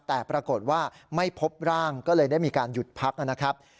แต่ปรากฏว่าไม่พบร่างก็เลยได้มีการหยุดพักนะครับ